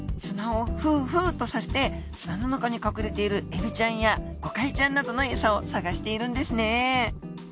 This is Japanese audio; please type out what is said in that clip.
砂をフーフーとさせて砂の中に隠れているエビちゃんやゴカイちゃんなどのエサを探しているんですね。